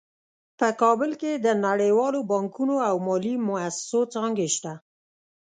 په کابل کې د نړیوالو بانکونو او مالي مؤسسو څانګې شته